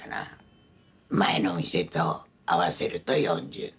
前の店と合わせると４０。